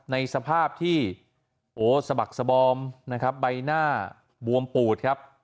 ในสภาพที่โอ้สะบักสบอมนะครับใบหน้าบวมปูดครับ